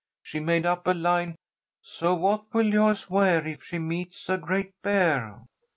She made up a line: "'So what will Joyce Ware if she meets a great bear?'